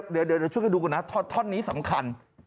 เดี๋ยวช่วยกันดูก่อนนะท่อนนี้สำคัญ